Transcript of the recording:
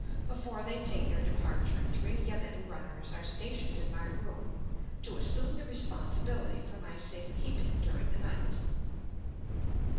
Before they take their departure three yameni runners are stationed in my room to assume the responsibility for my safe keeping during the night.